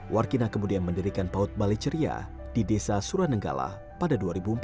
warkina kemudian mendirikan paut baliceria di desa suranenggala pada dua ribu empat belas